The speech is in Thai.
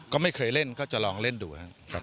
ก็ไม่เคยเล่นก็จะลองเล่นดูครับ